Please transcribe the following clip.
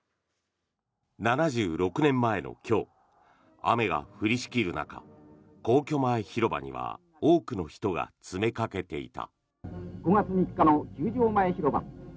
７６年前の今日雨が降りしきる中皇居前広場には多くの人が詰めかけていた。